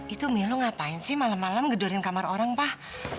itu mi lu ngapain sih malem malem gedorin kamar orang pak